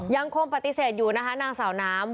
ยังคงปฏิเสธอยู่นะคะนางสาวน้ำ